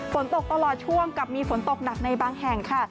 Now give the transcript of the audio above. ฝนตกตลอดช่วงกับมีฝนตกหนักในบางแห่งค่ะ